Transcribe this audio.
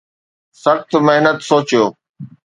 سخت محنت سوچيو